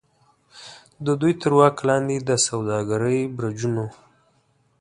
د دوی تر واک لاندې د سوداګرۍ برجونو.